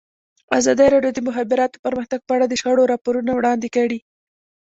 ازادي راډیو د د مخابراتو پرمختګ په اړه د شخړو راپورونه وړاندې کړي.